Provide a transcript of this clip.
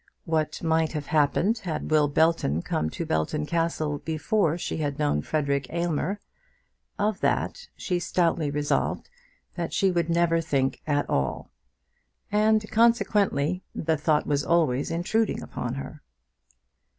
What might have happened had Will Belton come to Belton Castle before she had known Frederic Aylmer, of that she stoutly resolved that she would never think at all; and consequently the thought was always intruding upon her.